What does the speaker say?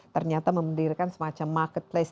ternyata membedirkan semacam marketplace